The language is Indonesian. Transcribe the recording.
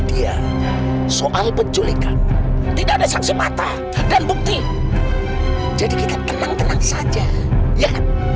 dia soal penculikan tidak ada sanksi mata dan bukti jadi kita tenang tenang saja ya